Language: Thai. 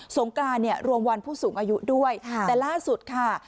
งกรานเนี่ยรวมวันผู้สูงอายุด้วยแต่ล่าสุดค่ะ